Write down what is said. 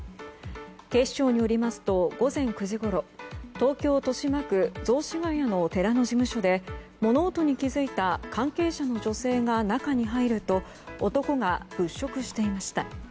警視庁によりますと午前９時ごろ東京・豊島区雑司が谷の寺の事務所で物音に気付いた関係者の女性が中に入ると男が物色していました。